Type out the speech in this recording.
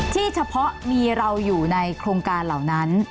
เฉพาะมีเราอยู่ในโครงการเหล่านั้น